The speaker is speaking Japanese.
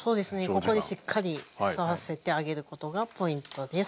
ここでしっかり吸わせてあげることがポイントです。